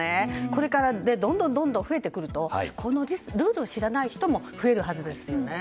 これから、どんどん増えてくるとこのルールを知らない人も増えるはずですね。